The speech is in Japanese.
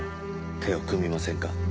手を組みませんか？